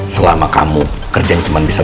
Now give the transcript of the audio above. selama kamu kerja kan cuma bott xd